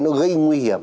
nó gây nguy hiểm